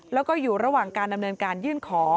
แล้วก็อยู่ระหว่างการดำเนินการยื่นขอ